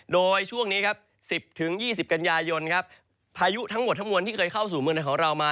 โดยช่วงนี้ครับ๑๐๒๐กันยายนครับพายุทั้งหมดทั้งมวลที่เคยเข้าสู่เมืองไทยของเรามา